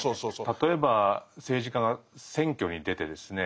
例えば政治家が選挙に出てですね